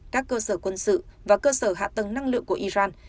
các cơ sở quân sự và cơ sở hạ tầng năng lượng của iran